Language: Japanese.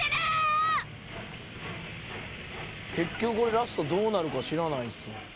結局ラストどうなるか知らないんすよ。